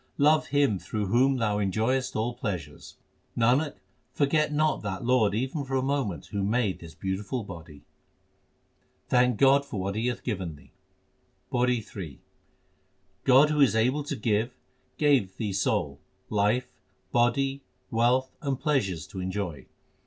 Love Him through whom thou enjoyest all pleasures. Nanak, forget not that Lord even for a moment who made this beautiful body. Thank God for what He hath given thee : PAURI III God who is able to give, gave thee soul, life, body, wealth, and pleasures to enjoy.